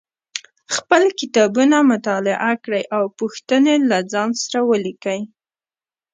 خپل کتابونه مطالعه کړئ او پوښتنې له ځان سره ولیکئ